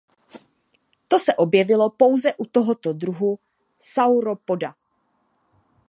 To se objevilo pouze u tohoto druhu sauropoda.